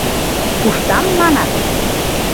«Пуштам» манат.